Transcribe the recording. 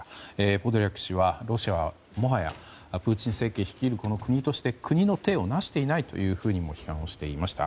ポドリャク氏はロシアはもはやプーチン政権率いるこの国として国のていをなしていないとも批判をしていました。